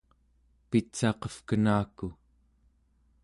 pitsaqevkenaku